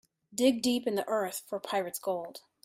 Dig deep in the earth for pirate's gold.